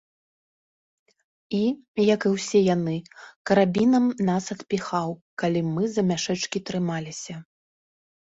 І, як і ўсе яны, карабінам нас адпіхаў, калі мы за мяшэчкі трымаліся.